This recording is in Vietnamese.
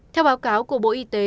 theo báo cáo của bộ y tế